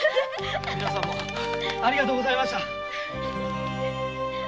皆様ありがとうございました。